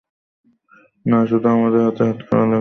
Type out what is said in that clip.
না শুধু আমাদের হাতে হাত-কড়া লাগানো খুলে যাবে শীঘ্রই, ইনশাল্লাহ।